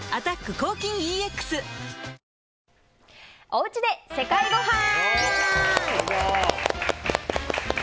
おうちで世界ごはん。